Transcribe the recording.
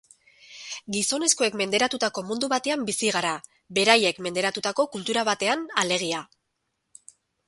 Gizonezkoek menderatutako mundu batean bizi gara, beraiek menderatutako kultura batean, alegia.